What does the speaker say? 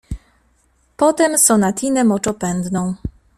Potem Sonatinę Moczopędną.